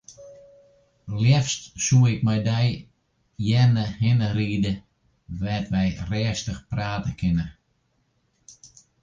Leafst soe ik mei dy earne hinne ride dêr't wy rêstich prate kinne.